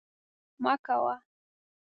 مه کوه